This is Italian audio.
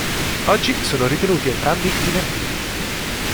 Oggi sono ritenuti entrambi inattivi.